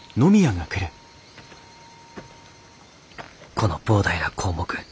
「この膨大な項目